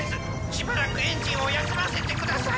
しばらくエンジンを休ませてください！